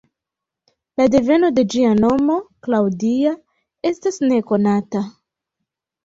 La deveno de ĝia nomo, ""Claudia"", estas nekonata.